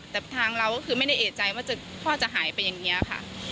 แต่ทางเราก็คือไม่ได้เอกใจว่าพ่อจะหายไปอย่างนี้ค่ะ